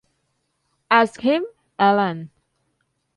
Ask him, Ellen.